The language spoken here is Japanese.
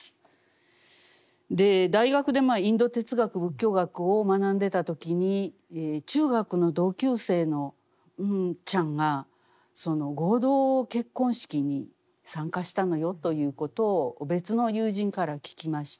大学でインド哲学仏教学を学んでいた時に中学の同級生のンンちゃんが合同結婚式に参加したのよということを別の友人から聞きました。